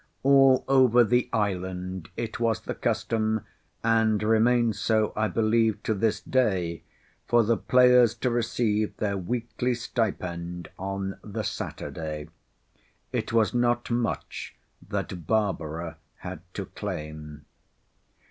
All over the island it was the custom, and remains so I believe to this day, for the players to receive their weekly stipend on the Saturday. It was not much that Barbara had to claim.